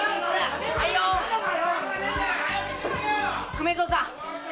粂蔵さん。